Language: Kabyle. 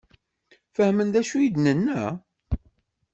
Fehmen d acu i d-nenna?